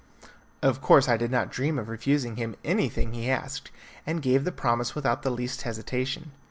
Of course I did not dream of refusing him anything he asked, and gave the promise without the least hesitation.